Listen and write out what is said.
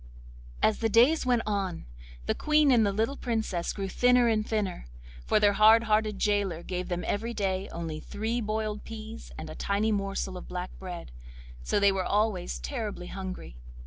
As the days went on, the Queen and the little Princess grew thinner and thinner, for their hard hearted gaoler gave them every day only three boiled peas and a tiny morsel of black bread, so they were always terribly hungry.